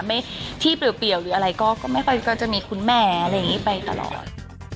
ไม่ที่เปรียวหรืออะไรก็ไม่ค่อยก็จะมีคุณแม่อะไรอย่างนี้ไปตลอด